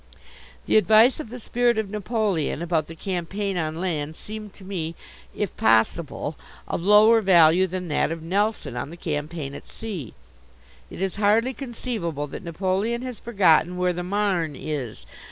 The advice of the Spirit of Napoleon about the campaign on land seemed to me, if possible, of lower value than that of Nelson on the campaign at sea. It is hardly conceivable that Napoleon has forgotten where the Marne is.